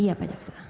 iya pak jaksa